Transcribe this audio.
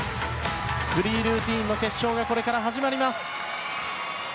フリールーティンの決勝がこれから始まります。